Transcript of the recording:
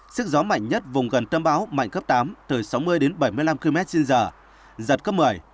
sức gió mạnh nhất vùng gần tâm bão mạnh cấp tám từ sáu mươi đến bảy mươi năm km trên giờ giật cấp một mươi